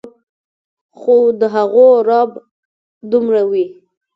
خو د هغو رعب دومره وي